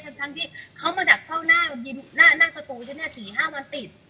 ทั้งที่เขามาดักเข้าหน้าสตูฉันเนี่ย๔๕วันติด